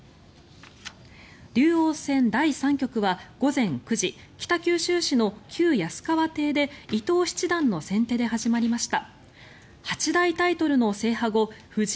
竜王戦第３局は午前９時北九州市の旧安川邸で伊藤七段の先手で始まりました。